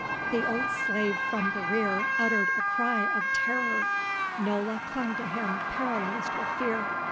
The old slave from the rear uttered a cry of terror; Nola clung to him paralysed with fear.